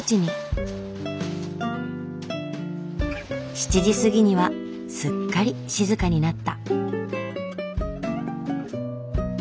７時過ぎにはすっかり静かになった。